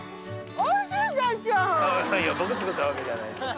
いや僕作ったわけじゃないです。